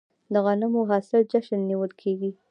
د غنمو د حاصل جشن نیول کیږي.